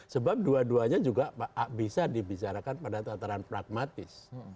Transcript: sebab dua duanya juga bisa dibicarakan pada tataran pragmatis